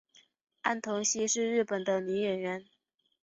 安藤希是日本的女演员。